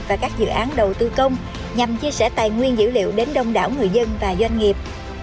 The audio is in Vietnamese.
và các dự án đầu tư công nhằm chia sẻ tài nguyên dữ liệu đến đông đảo người dân và doanh nghiệp